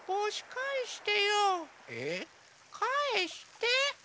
かえして！